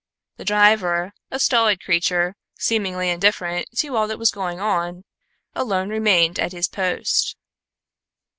The driver, a stolid creature, seemingly indifferent to all that was going on, alone remained at his post.